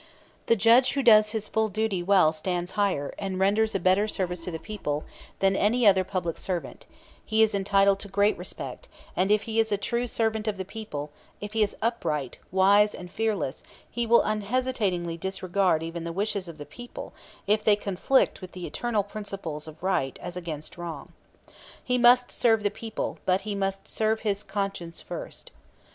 The judge who does his full duty well stands higher, and renders a better service to the people, than any other public servant; he is entitled to greater respect; and if he is a true servant of the people, if he is upright, wise and fearless, he will unhesitatingly disregard even the wishes of the people if they conflict with the eternal principles of right as against wrong. He must serve the people; but he must serve his conscience first.